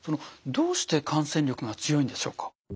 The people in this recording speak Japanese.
どうして感染力が強いんでしょうか？